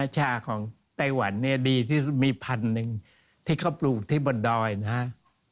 ชาของไต้หวันเนี่ยดีที่สุดมีพันหนึ่งที่เขาปลูกที่บนดอยนะฮะ